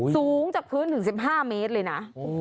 สูงจากพื้นถึง๑๕เมตรเลยนะ